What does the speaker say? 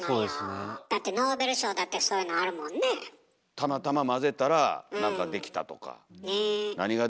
たまたま混ぜたら何か出来たとか。ね。